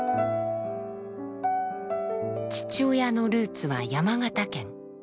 父親のルーツは山形県。